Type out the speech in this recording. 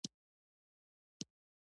مس د افغانانو د معیشت سرچینه ده.